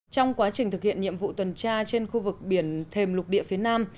trong quá trình thực hiện nhiệm vụ tuần tra trên khu vực biển thèm lục địa phía nam